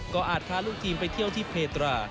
ก็อาจพาลูกทีมไปเที่ยวที่เพตรา